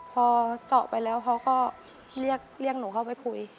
พอเจาะไปแล้วเขาก็เรียกหนูเข้าไปคุย